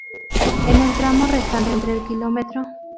En el tramo restante entre el Km.